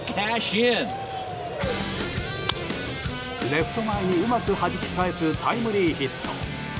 レフト前にうまくはじき返すタイムリーヒット。